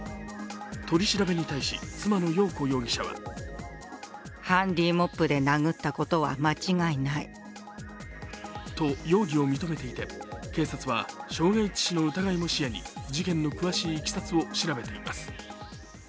取り調べに対し、妻のよう子容疑者はと容疑を認めていて警察は傷害致死の疑いも視野に事件の詳しいいきさつを調べています。